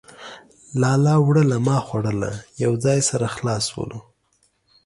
لالا وړوله ما خوړله ،. يو ځاى سره خلاص سولو.